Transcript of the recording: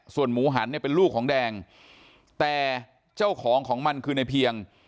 ส่วนหมูหันเนี่ยเป็นลูกของแดงแต่เจ้าของของมันคือในเพียง